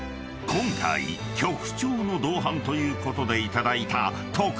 ［今回局長の同伴ということで頂いた］